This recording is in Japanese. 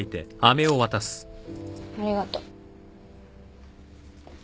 ありがとう。